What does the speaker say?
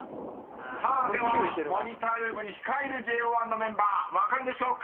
［さあではモニタールームに控えるＪＯ１のメンバー分かるでしょうか］